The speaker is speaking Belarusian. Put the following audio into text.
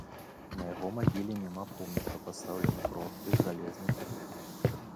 На яго магіле няма помніка, пастаўлены просты жалезны крыж.